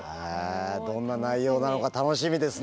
どんな内容なのか楽しみですね。